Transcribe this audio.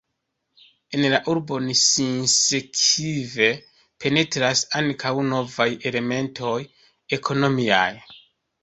En la urbon sinsekve penetras ankaŭ novaj elementoj ekonomiaj.